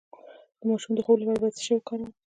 د ماشوم د خوب لپاره باید څه شی وکاروم؟